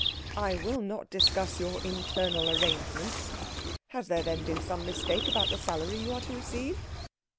"I will not discuss your internal arrangements. Has there, then, been some mistake about the salary you are to receive?"